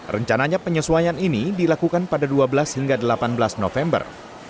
rencananya penyesuaian ini dilakukan pada dua belas hingga delapan belas november